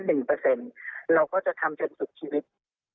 เราก็จะทำเชิงสุขชีวิต